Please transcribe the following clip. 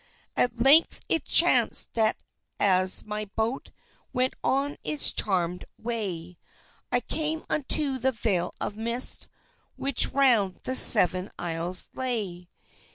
At length it chanced that as my boat Went on its charmèd way, I came unto the veil of mist Which round the Seven Isles lay.